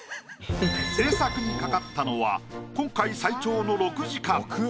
制作にかかったのは今回最長の６時間。